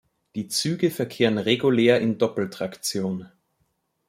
Die Züge verkehren regulär in Doppeltraktion.